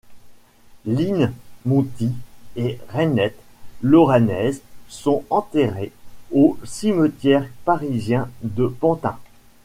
Line Monty et Reinette l'Oranaise sont enterrées au cimetière parisien de Pantin.